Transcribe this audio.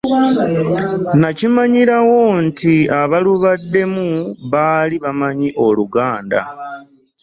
Nakimanyirawo nti abalubaddemu baali bamanyi Oluganda.